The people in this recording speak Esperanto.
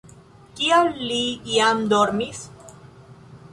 Kial li jam dormis?